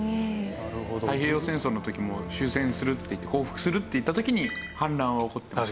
太平洋戦争の時も終戦するって言って降伏するって言った時に反乱は起こってますよね。